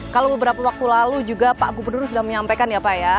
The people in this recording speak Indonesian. kalau beberapa waktu lalu juga pak gubernur sudah menyampaikan ya pak ya